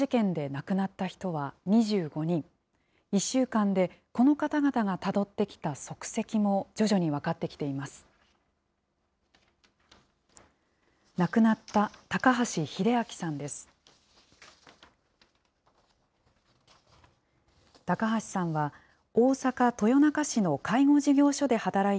亡くなった高橋秀彰さんです。